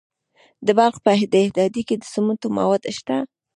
د بلخ په دهدادي کې د سمنټو مواد شته.